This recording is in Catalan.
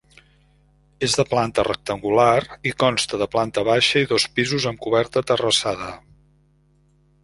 És de planta rectangular i consta de planta baixa i dos pisos amb coberta terrassada.